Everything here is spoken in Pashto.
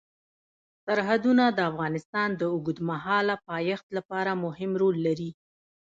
سرحدونه د افغانستان د اوږدمهاله پایښت لپاره مهم رول لري.